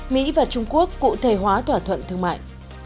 mỹ và trung quốc cụ thể hóa thỏa thuận thương mại